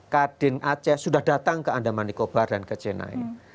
kaden aceh sudah datang ke andaman nicobar dan ke chennai